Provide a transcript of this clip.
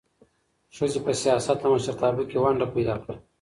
ښځې په سیاست او مشرتابه کې ونډه پیدا کړه.